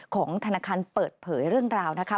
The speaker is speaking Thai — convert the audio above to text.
ของธนาคารเปิดเผยเรื่องราวนะคะ